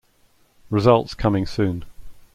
Results coming soon.